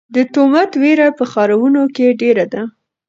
د تومت وېره په ښارونو کې ډېره ده.